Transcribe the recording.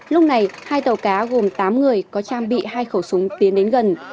hôm nay hai tàu cá gồm tám người có trang bị hai khẩu súng tiến đến gần